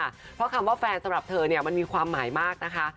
เพราะคำว่าแฟนสำหรับเธอเนี่ยมันมีความหมายมากนะคะ